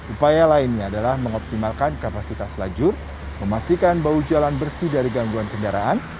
upaya lainnya adalah mengoptimalkan kapasitas lajur memastikan bau jalan bersih dari gangguan kendaraan